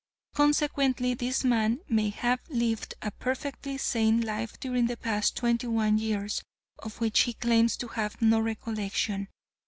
Consequently, this man may have lived a perfectly sane life during the past twenty one years, of which he claims to have no recollection.